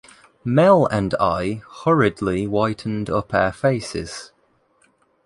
Mel and I hurriedly whitened up our faces.